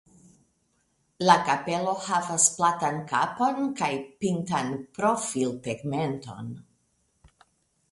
La kapelo havas platan kapon kaj pintan profiltegmenton.